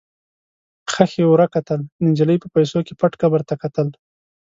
ښخې ور وکتل، نجلۍ په پیسو کې پټ قبر ته کتل.